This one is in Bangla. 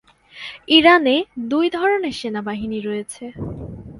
ইরানে দুই ধরনের সেনাবাহিনী রয়েছে।